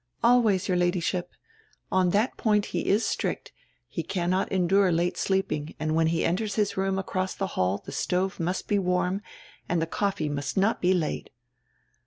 "Always, your Ladyship. On that point he is strict; he cannot endure late sleeping, and when he enters his room across the hall the stove must be warm, and the coffee must not be late."